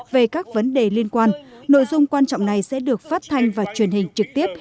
về các vấn đề liên quan nội dung quan trọng này sẽ được phát thanh và truyền hình trực tiếp